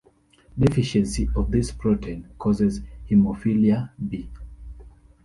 Deficiency of this protein causes hemophilia B.